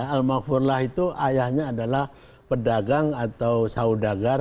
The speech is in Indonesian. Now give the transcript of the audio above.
almarfurullah itu ayahnya adalah pedagang atau saudagar